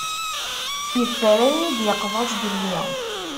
Yeffer ayen i d-yeqḍa zgelli.